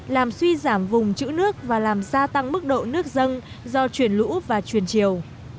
làm suy giảm vùng chữ nước và làm gia tăng mức độ nước dân do chuyển lũ và chuyển chiều